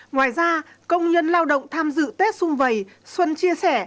ngoài ra công nhân lao động tham dự tết xuân vầy xuân chia sẻ